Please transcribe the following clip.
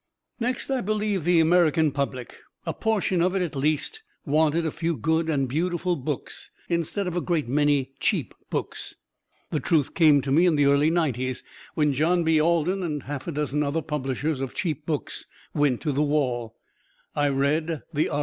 Next I believed the American public. A portion of it, at least, wanted a few good and beautiful books instead of a great many cheap books. The truth came to me in the early Nineties, when John B. Alden and half a dozen other publishers of cheap books went to the wall. I read the R.